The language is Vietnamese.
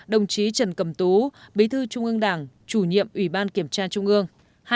hai đồng chí trần cầm tú bí thư trung ương đảng chủ nhiệm ủy ban kiểm tra trung ương